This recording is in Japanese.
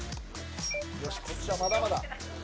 こっちはまだまだ。